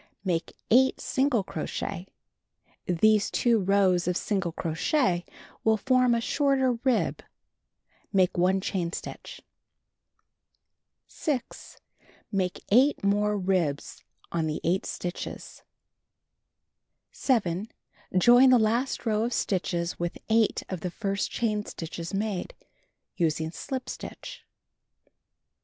Make 8 single crochet. These two rows of single crochet will form a shorter Make 1 chain stitch. 6. Make 8 more ribs on the 8 stitches. 7. Join the last row of stitches with 8 of the first chain stitches made, using slip stitch.